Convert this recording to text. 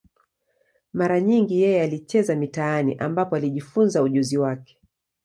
Mara nyingi yeye alicheza mitaani, ambapo alijifunza ujuzi wake.